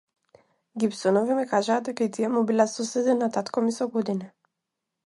Гибсонови ми кажаа дека и тие му биле соседи на татко ми со години.